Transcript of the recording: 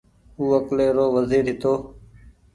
او اڪلي رو وزير هيتو